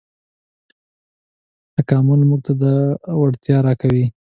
تکامل موږ ته دا وړتیا راکوي.